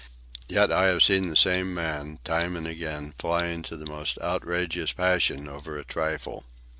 Yet I have seen the same man, time and again, fly into the most outrageous passion over a trifle.